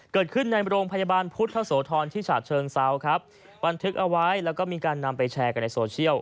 เกิดขึ้นในโรงพยาบาลพุฒิสวทรที่ชาติเชิงเซาส์